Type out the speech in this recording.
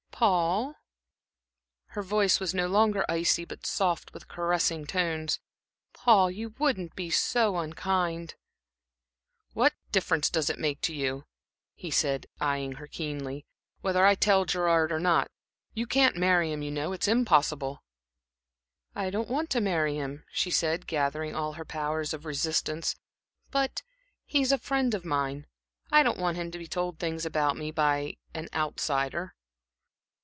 "Paul?" Her voice was no longer icy, but soft, with caressing tones. "Paul, you wouldn't be so unkind?" "What difference does it make to you?" he said, eyeing her keenly, "whether I tell Gerard or not? You can't marry him, you know it's impossible." "I don't want to marry him," she said, gathering all her powers of resistance, "but he's a friend of mine. I don't want him to be told things about me by an outsider."